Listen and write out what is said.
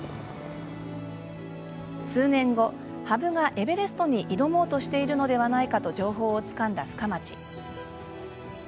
数年後、羽生がエベレストに挑もうとしているのではないかと情報をつかんだ深町。